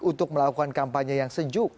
untuk melakukan kampanye yang sejuk